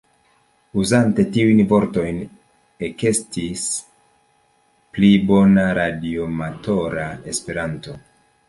Uzante tiujn vortojn ekestis pli bona radioamatora Esperanto.